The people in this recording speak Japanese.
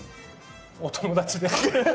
お友達で。